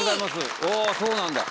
おそうなんだ。